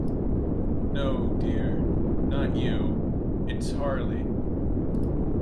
No, dear, not you; it's Harley.